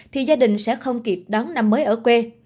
thì gia đình sẽ không kịp đón năm mới ở quê